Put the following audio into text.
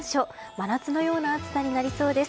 真夏のような暑さになりそうです。